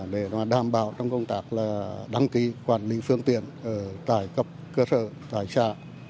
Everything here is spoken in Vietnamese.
để đảm bảo trong công tác đăng ký quản lý phương tiện tại cấp cơ sở tại xã